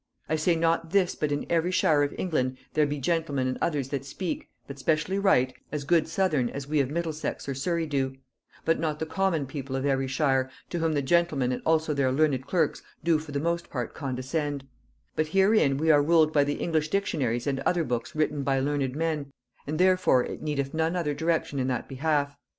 I say not this but in every shire of England there be gentlemen and others that speak, but specially write, as good Southern as we of Middlesex or Surry do; but not the common people of every shire, to whom the gentlemen and also their learned clerks do for the most part condescend; but herein we are ruled by the English dictionaries and other books written by learned men, and therefore it needeth none other direction in that behalf.